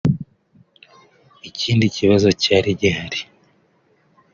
Ikindi kibazo cyari gihari